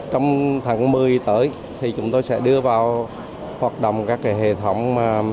trong tháng một mươi tới chúng tôi sẽ đưa vào hoạt động các hệ thống